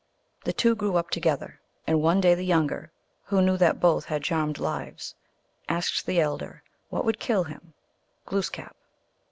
The two grew up together, and one day the younger, who knew that both had charmed lives, asked the elder what would kill him, Glooskap.